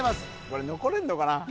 これ残れんのかな？